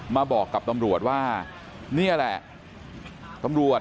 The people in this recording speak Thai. มาบอกกับตำรวจว่านี่แหละตำรวจ